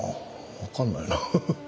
分かんないな。